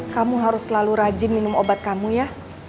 kamu harus selalu rajin minum obat kamu ya